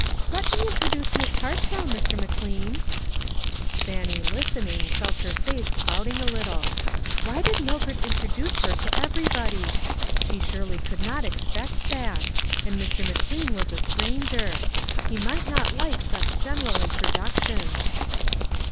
" Let me introduce Miss Hartzell, Mr. McLean." Fannie, listening, felt her face clouding a little. Why need Mildred introduce her to everybody ? She surely could not ex pect that ; and Mr. McLean was a stranger. He might not like such general introduc tions.